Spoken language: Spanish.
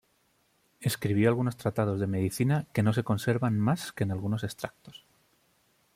Escribió algunos tratados de medicina que no se conservan más que en algunos extractos.